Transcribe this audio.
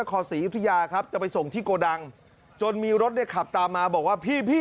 พระนาคอสีอิพยาครับจะไปส่งที่โกดังจนมีรถคลับมาบอกว่าพี่